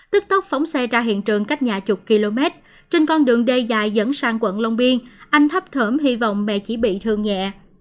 tức tốc phóng xe ra hiện trường cách nhà chục km trên con đường d dài dẫn sang quận long biên anh thấp thỏm hy vọng mẹ chỉ bị thương nhẹ